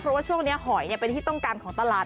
เพราะว่าช่วงนี้หอยเป็นที่ต้องการของตลาด